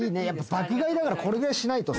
爆買いだからこれぐらいしないと。